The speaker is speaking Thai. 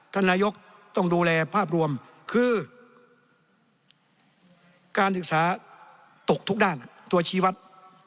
ท่านนายกต้องดูแลภาพรวมคือการศึกษาตกทุกด้านตัวชี้วัด